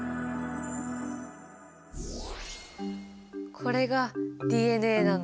これがＤＮＡなんだ。